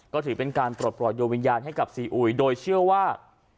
ก็ถือเป็นการปลดปล่อยดวงวิญญาณให้กับซีอุยโดยเชื่อว่า